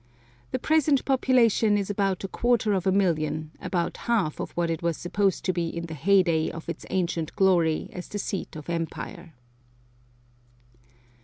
The present population is about a quarter of a million, about half of what it was supposed to be in the heyday of its ancient glory as the seat of empire.